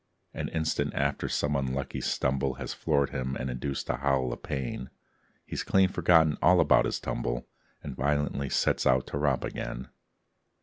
An instant after some unlucky stumble Has floored him and induced a howl of pain, He's clean forgotten all about his tumble And violently sets out to romp again.